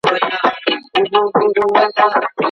صندلي ځانته د ځان نه ده.